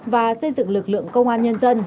và xây dựng lực lượng công an nhân dân